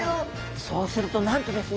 そうするとなんとですね